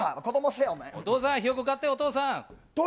お父さん、ひよこ買って、お父さん。